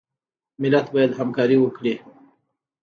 ملت باید همکاري وکړي